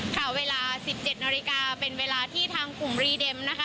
ค่ะเวลา๑๗นาฬิกาเป็นเวลาที่ทางกลุ่มรีเด็มนะคะ